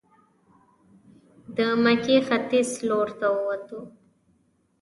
د مکې ختیځ لورته ووتو.